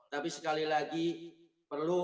tapi sekali lagi perlu